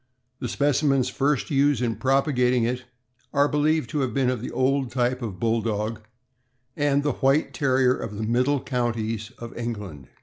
The specimens first used in prop agating it are believed to have been of the old type of Bulldog and the White Terrier of the middle counties of England.